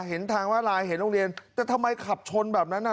เห็นทางมาลายเห็นโรงเรียนแต่ทำไมขับชนแบบนั้นอ่ะ